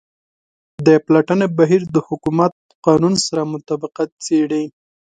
د پلټنې بهیر د حکومت قانون سره مطابقت څیړي.